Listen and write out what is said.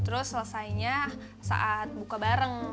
terus selesainya saat buka bareng